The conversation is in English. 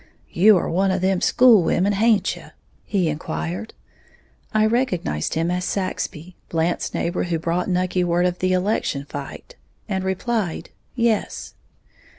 "You are one of them school women, haint you?" he inquired. I recognized him as Saxby, Blant's neighbor who brought Nucky word of the election fight, and replied, "Yes."